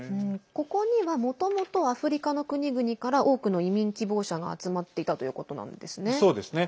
ここには、もともとアフリカの国々から多くの移民希望者が集まっていたということなんですね。